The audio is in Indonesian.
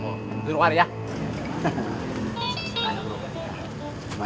oh di luar ya